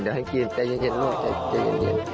เดี๋ยวให้กินใจเย็นลูกใจเย็น